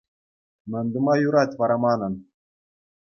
Мӗн тума юрать вара манӑн?